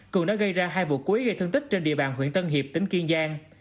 cường đã gây ra hai vụ cuối gây thân tích trên địa bàn huyện tân hiệp tỉnh kiên giang